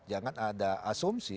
jangan ada asumsi